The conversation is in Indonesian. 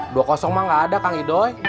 dua kosong mah gak ada kang idoi